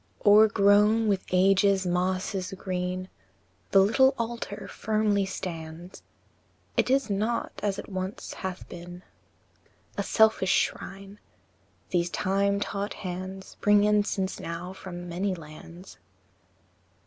IV. O'er grown with age's mosses green, The little altar firmly stands; It is not, as it once hath been, A selfish shrine; these time taught hands Bring incense now from many lands.